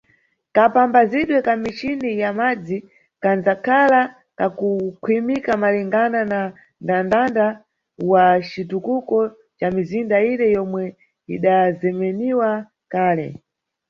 Kapamphazidwe ka michini ya madzi kandzakhala kakukhwima malingana na nʼndandanda wa citukuko ca mizinda ire yomwe idazemeniwa kale.